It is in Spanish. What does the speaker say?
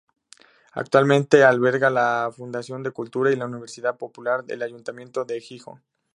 Actualmente alberga la Fundación de Cultura y la Universidad Popular del Ayuntamiento de Gijón.